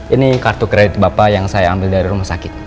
ini kartu kredit bapak yang saya ambil dari rumah sakit